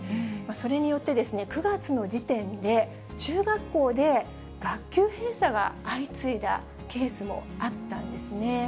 それによって、９月の時点で、中学校で学級閉鎖が相次いだケースもあったんですね。